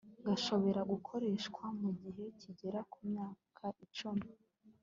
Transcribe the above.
gashobora gukoreshwa mu gihe kigera ku myaka icumi